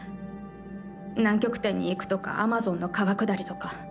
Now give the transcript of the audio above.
南極点に行くとかアマゾンの川下りとか。